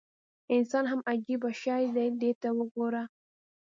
انسان هم عجیب شی دی ته وګوره.